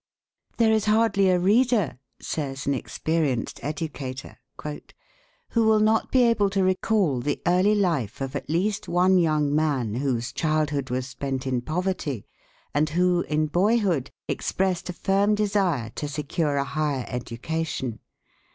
"There is hardly a reader," says an experienced educator, "who will not be able to recall the early life of at least one young man whose childhood was spent in poverty, and who, in boyhood, expressed a firm desire to secure a higher education.